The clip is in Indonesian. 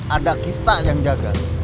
ada kita yang jaga